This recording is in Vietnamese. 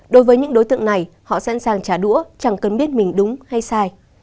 đối với những đối tượng này họ sẵn sàng trả đũa chẳng cần biết mình đúng hay sai